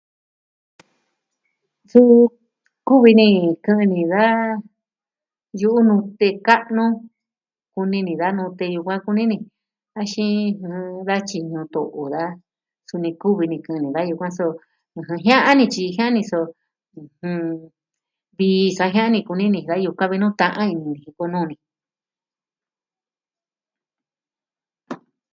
Suu, kuvi ni kɨ'ɨn ni da yu'u nute ka'nu. Kuni ni da nute yukuan kuni ni. Axin, mmm, da tyi ñutu'u da, suni kuvi ni kɨ'ɨn ni da yukuan so, ɨjɨn, jia'a ni tyi jia'a ni so... ɨjɨn, vi sa jia'an ni kunini da yukuan vi nu ta'an ini ni jiku nuu ni.